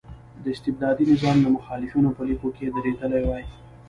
د استبدادي نظام د مخالفینو په لیکو کې درېدلی وای.